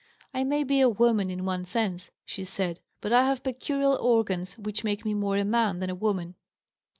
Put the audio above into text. "I may be a woman in one sense," she said, "but I have peculiar organs which make me more a man than a woman."